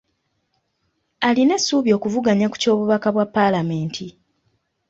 Alina essuubi okuvuganya ku ky’obubaka bwa paalamenti.